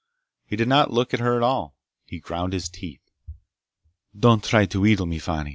He did not look at her at all. He ground his teeth. "Don't try to wheedle me, Fani!"